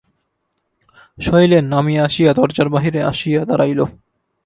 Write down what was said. শৈলেন নামিয়া আসিয়া দরজার বাহিরে আসিয়া দাঁড়াইল।